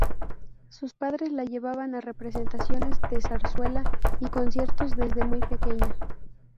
Sus padres la llevaban a representaciones de zarzuela y conciertos desde muy pequeña.